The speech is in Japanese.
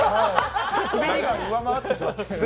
滑りが上回ってしまって。